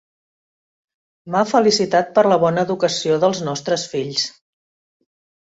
M'ha felicitat per la bona educació dels nostres fills.